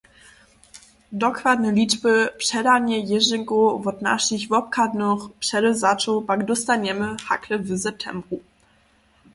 Dokładne ličby předanje jězdźenkow wot našich wobchadnych předewzaćow pak dóstanjemy hakle w septembru.